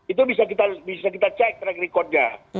itu bisa kita cek track record nya